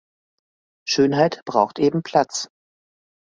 Schönheit braucht eben Platz.